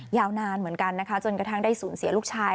ยาวนานเหมือนกันนะคะจนกระทั่งได้สูญเสียลูกชาย